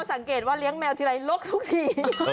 สังเกตว่าเลี้ยงแมวทีไรลกทุกที